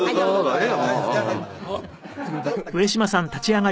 「ええ。